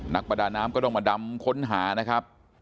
ประดาน้ำก็ต้องมาดำค้นหานะครับ